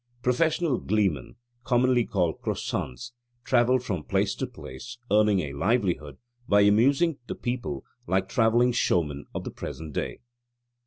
Professional gleemen commonly called crossans travelled from place to place earning a livelihood by amusing the people like travelling showmen of the present day.